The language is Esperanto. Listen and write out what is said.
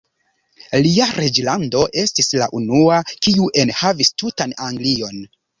Lia reĝlando estis la unua, kiu enhavis tutan Anglion.